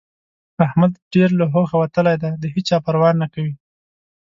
احمد ډېر له هوښه وتلی دی؛ د هيچا پروا نه کوي.